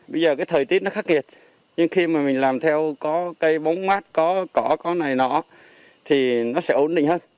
bây giờ cái thời tiết nó khắc nghiệt nhưng khi mà mình làm theo có cây bóng mát có cỏ có này nọ thì nó sẽ ổn định hơn